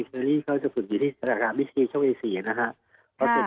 เจอรี่เขาจะฝึกอยู่ที่สรรคาวิทยาลัยสี่สรรคาวิทยาลัยสี่นะฮะ